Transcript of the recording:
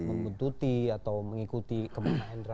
membuntuti atau mengikuti kembang endra